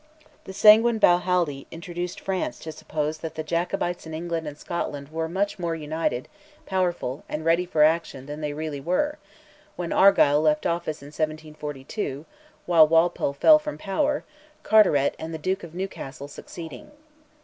The sanguine Balhaldy induced France to suppose that the Jacobites in England and Scotland were much more united, powerful, and ready for action than they really were, when Argyll left office in 1742, while Walpole fell from power, Carteret and the Duke of Newcastle succeeding.